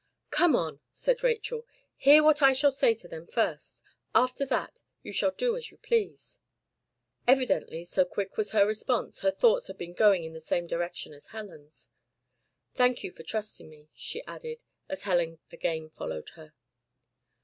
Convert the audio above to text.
"Come on," said Rachel. "Hear what I shall say to them first. After that you shall do as you please." Evidently, so quick was her response, her thoughts had been going in the same direction as Helen's. "Thank you for trusting me," she added, as Helen again followed her.